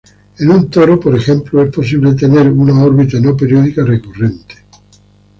En un toro, por ejemplo, es posible tener una órbita no periódica recurrente.